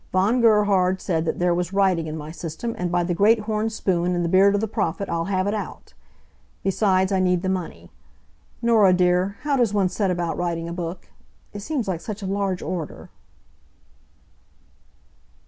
Von Gerhard said that there was writing in my system, and by the Great Horn Spoon and the Beard of the Prophet, I'll have it out! Besides, I need the money. Norah dear, how does one set about writing a book? It seems like such a large order."